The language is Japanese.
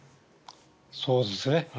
そうですね。